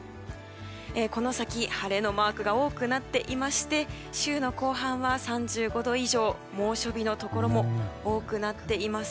この先、晴れのマークが多くなっていまして週の後半は３５度以上猛暑日のところも多くなっています。